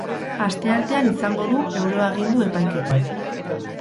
Asteartean izango du euroagindu epaiketa.